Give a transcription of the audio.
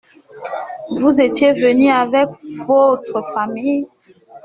Vous étiez venu avec votre famille ?